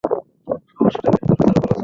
সমস্যাটা বেশ গুরুতরই বলা চলে।